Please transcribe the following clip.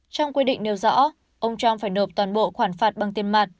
trong quy định nêu rõ ông trump phải nộp toàn bộ khoản phạt bằng tiền mặt